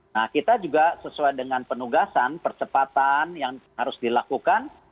nah kita juga sesuai dengan penugasan percepatan yang harus dilakukan